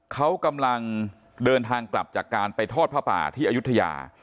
เขากำลังเดินทางกลับจากการไปทอดผ้าป่าที่อายุทยา